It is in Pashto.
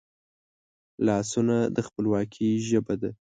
لاسونه د خپلواکي ژبه ده